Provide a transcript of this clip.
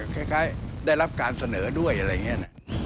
คล้ายได้รับการเสนอด้วยอะไรอย่างนี้นะ